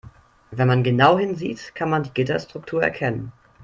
Wenn man genau hinsieht, kann man die Gitterstruktur erkennen.